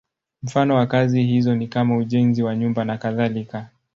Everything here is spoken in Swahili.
Mfano wa kazi hizo ni kama ujenzi wa nyumba nakadhalika.